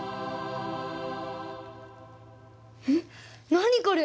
何これ？